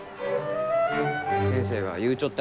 先生が言うちょっ